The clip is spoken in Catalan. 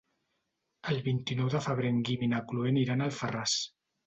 El vint-i-nou de febrer en Guim i na Cloè aniran a Alfarràs.